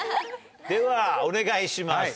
ではお願いします。